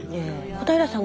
小平さん